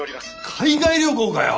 海外旅行かよ！